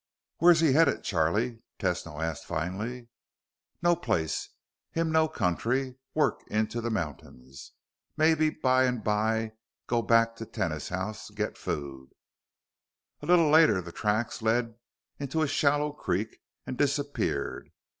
"Where's he headed, Charlie," Tesno asked finally. "No place. Him know country. Work into mountains. Maybe by and by go back to tenas house, get food." A little later the tracks led into a shallow creek and disappeared.